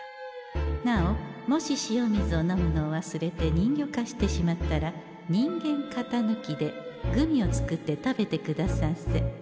なおもし塩水を飲むのを忘れて人魚化してしまったら人間型ぬきでグミを作って食べてくださんせ。